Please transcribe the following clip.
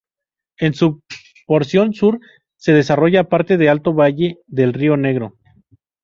En su porción sur, se desarrolla parte del Alto Valle del río Negro.